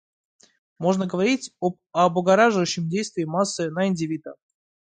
Можно говорить об облагораживающем действии массы на индивида.